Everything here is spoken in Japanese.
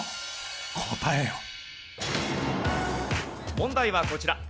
問題はこちら。